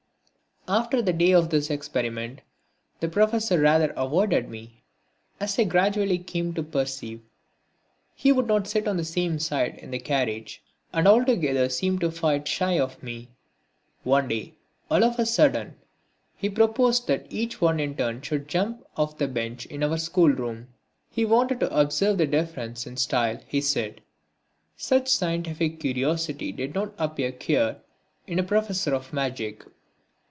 After the day of this experiment the Professor rather avoided me, as I gradually came to perceive. He would not sit on the same side in the carriage, and altogether seemed to fight shy of me. One day, all of a sudden, he proposed that each one in turn should jump off the bench in our schoolroom. He wanted to observe the differences in style, he said. Such scientific curiosity did not appear queer in a professor of magic.